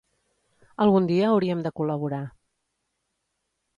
Algun dia hauríem de col·laborar.